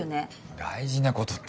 大事なことって。